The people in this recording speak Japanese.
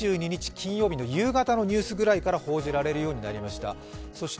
金曜日の夕方のニュースくらいから報じられるようになりました。